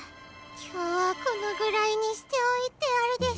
今日はこのぐらいにしておいてやるデス。